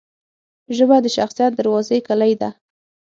ژبه د شخصیت دروازې کلۍ ده